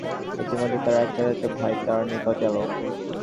ইতিমধ্যে তার এক চাচাত ভাই তার নিকট এল।